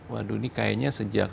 waduh ini kayaknya sejak